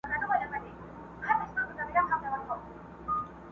شپه او ورځ یې پر خپل ځان باندي یوه کړه٫